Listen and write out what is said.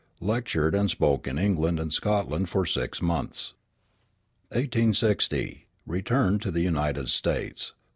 Lectured and spoke in England and Scotland for six months. 1860 Returned to the United States.